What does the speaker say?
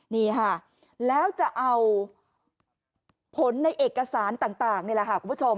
นี่ค่ะแล้วจะเอาผลในเอกสารต่างนี่แหละค่ะคุณผู้ชม